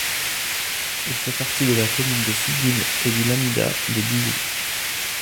Il fait partie de la commune de Figuil et du lamidat de Biou.